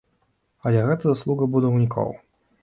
Але гэта заслуга будаўнікоў!